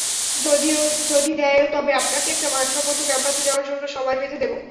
যদি দেয়ও, তবে আপনাকে একটা মানসম্মত ক্যাম্পাসে যাওয়ার জন্য সময় বেঁধে দেবে।